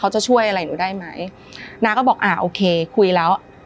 จะช่วยอะไรหนูได้ไหมน้าก็บอกอ่าโอเคคุยแล้ว